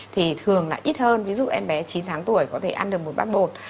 thì thường là ít hơn ví dụ em bé chín tháng tuổi có thể ăn được một bát bột